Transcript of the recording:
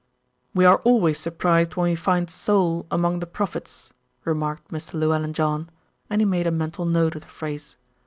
"We are always surprised when we find Saul among the prophets," remarked Mr. Llewellyn John, and he made a mental note of the phrase.